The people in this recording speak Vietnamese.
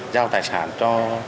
giao tài sản cho